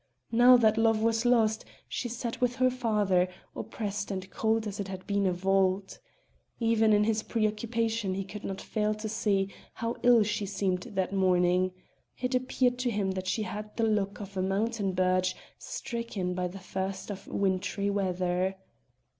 Now that love was lost, she sat with her father, oppressed and cold as it had been a vault. Even in his preoccupation he could not fail to see how ill she seemed that morning: it appeared to him that she had the look of a mountain birch stricken by the first of wintry weather.